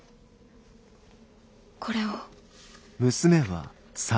これを。